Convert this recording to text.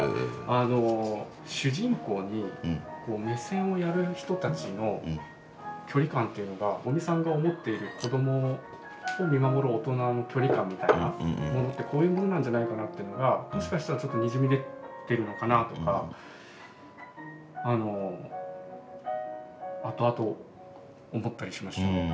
あの主人公に目線をやる人たちの距離感っていうのが五味さんが思っている子どもを見守る大人の距離感みたいなものってこういうものなんじゃないかなっていうのがもしかしたらちょっとにじみ出てるのかなとかあのあとあと思ったりしました。